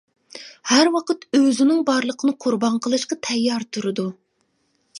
ھەر ۋاقىت ئۆزىنىڭ بارلىقىنى قۇربان قىلىشقا تەييار تۇرىدۇ.